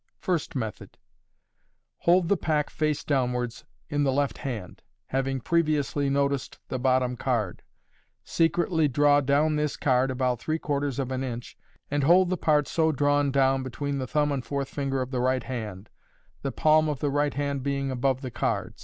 First Method. — Hold the pack face downwards in the left hand, having previously noticed the bottom card. Secretly draw down this card about three quarters of an inch, and hold the part so drawn down between the thumb and fourth finger of the right hand, the palm of the right hand being above the cards.